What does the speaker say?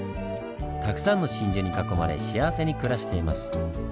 たくさんの真珠に囲まれ幸せに暮らしています。